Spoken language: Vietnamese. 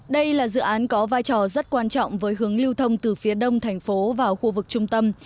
đây là dự án có vai trò rất quan trọng với hướng lưu thông từ phía đông thành phố vào khu vực trung tâm